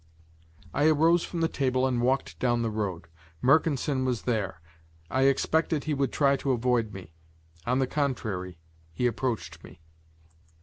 I arose from the table and walked down the road; Mercanson was there. I expected he would try to avoid me; on the contrary he approached me.